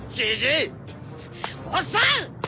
おっさん！